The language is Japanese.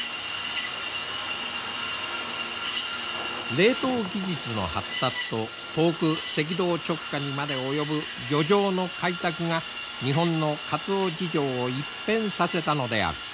冷凍技術の発達と遠く赤道直下にまで及ぶ漁場の開拓が日本のカツオ事情を一変させたのである。